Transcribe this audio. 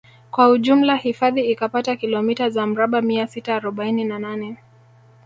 Kwa ujumla hifadhi ikapata kilomita za mraba mia sita arobaini na nane